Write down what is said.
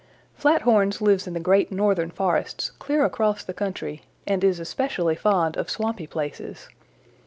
"Flathorns lives in the great northern forests clear across the country, and is especially fond of swampy places.